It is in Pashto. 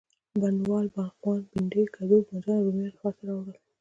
بڼوال، باغوانان، بینډۍ، کدو، بانجان او رومیان ښار ته وړل.